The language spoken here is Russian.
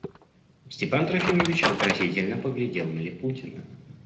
Степан Трофимович вопросительно поглядел на Липутина.